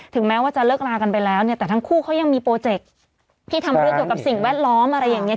แม้ว่าจะเลิกลากันไปแล้วเนี่ยแต่ทั้งคู่เขายังมีโปรเจคที่ทำเรื่องเกี่ยวกับสิ่งแวดล้อมอะไรอย่างเงี้